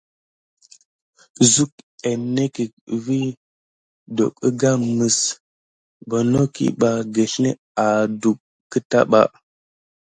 Suk énetke vi tokuga mis bonoki ɓa gelné adùck keta.